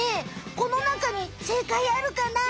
このなかにせいかいあるかな？